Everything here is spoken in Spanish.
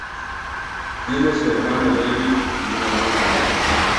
Tiene su hermano David y una hermana Annie.